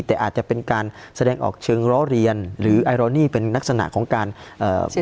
แต่อาจจะเป็นการแสดงออกเชิงล้อเรียนหรือไอรอนี่เป็นลักษณะของการเอ่อ